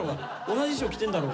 同じ衣装着てんだろ。